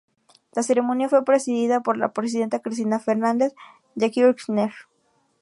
La ceremonia fue presidida por la Presidenta Cristina Fernández de Kirchner.